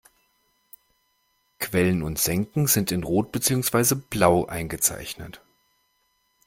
Quellen und Senken sind in Rot beziehungsweise Blau eingezeichnet.